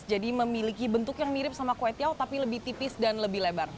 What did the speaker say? jadi memiliki bentuk yang mirip sama kue tiau tapi lebih tipis dan lebih lebar